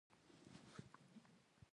څخه د بېړۍ لاندې برخې عکس واخلي او وګوري